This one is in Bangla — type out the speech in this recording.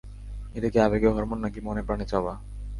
এটা কী আবেগী হরমোন নাকি মনে-প্রাণে চাওয়া?